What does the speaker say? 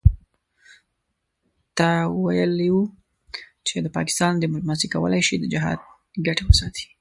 ته ویلي وو چې د پاکستان دیپلوماسي کولای شي د جهاد ګټې وساتي.